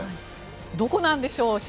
どこなんでしょう？